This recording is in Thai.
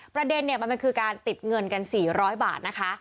ประเด็นมันคือการติดเงินกัน๔๐๐บาทนะคะ